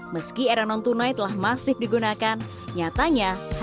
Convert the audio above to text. meski eranon tunai telah masih digunakan